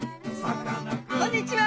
こんにちは！